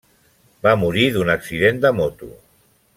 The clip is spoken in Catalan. Va morir d'un accident de moto.